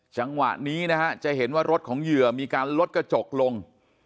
จังหวะนี้นะฮะจะเห็นว่ารถของเหยื่อมีการลดกระจกลง